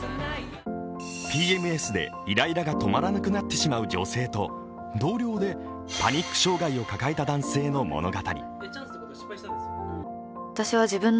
ＰＭＳでイライラが止まらなくなってしまう女性と同僚でパニック障害を抱えた男性の物語。